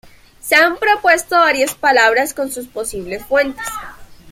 Se han propuesto varias palabras como sus posibles fuentes.